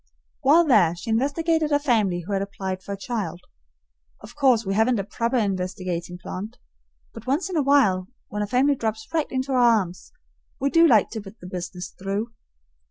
While there, she investigated a family who had applied for a child. Of course we haven't a proper investigating plant, but once in a while, when a family drops right into our arms, we do like to put the business through.